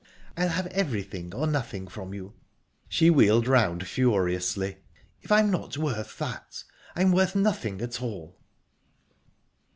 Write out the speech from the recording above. I'll have everything, or nothing from you." She wheeled round furiously. "If I'm not worth that, I'm worth nothing at all..."